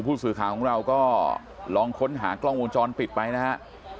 ผู้สื่อข่าวของเราก็ลองค้นหากล้องวงจรปิดไปนะฮะ